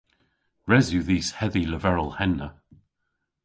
Res yw dhis hedhi leverel henna.